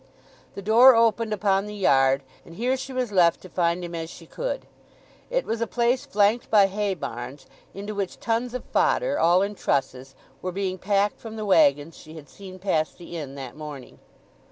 The door opened upon the yard, and here she was left to find him as she could. It was a place flanked by hay barns, into which tons of fodder, all in trusses, were being packed from the waggons she had seen pass the inn that morning.